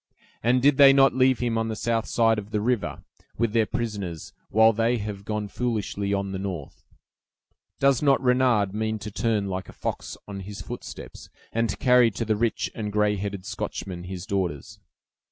And did they not leave him on the south side of the river, with their prisoners, while they have gone foolishly on the north? Does not Renard mean to turn like a fox on his footsteps, and to carry to the rich and gray headed Scotchman his daughters?